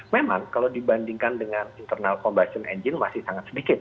memang kalau dibandingkan dengan internal combustion engine masih sangat sedikit